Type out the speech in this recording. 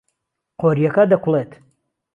قۆریەکە دەکوڵێت.